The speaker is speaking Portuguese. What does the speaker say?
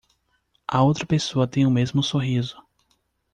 A outra pessoa tem o mesmo sorriso